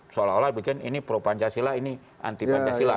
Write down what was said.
seolah olah bikin ini pro pancasila ini anti pancasila